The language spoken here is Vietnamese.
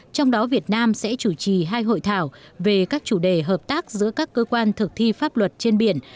trong đó việt nam sẽ chủ trì hai hội thảo về các chủ đề hợp tác giữa các cơ quan thực thi pháp luật trên biển